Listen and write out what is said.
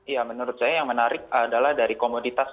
ya menurut saya yang menarik adalah dari komoditas